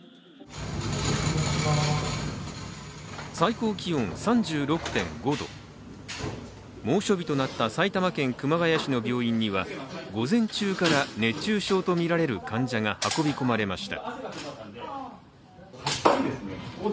最高気温３６．５度、猛暑日となった埼玉県熊谷市の病院では午前中から熱中症とみられる患者が運び込まれました。